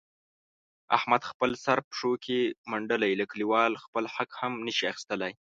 احمد خپل سر پښو کې منډلی، له کلیوالو خپل حق هم نشي اخستلای.